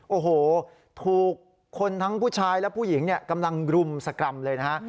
โอ้โหถูกคนทั้งผู้ชายและผู้หญิงกำลังรุมสกรรมเลยนะฮะ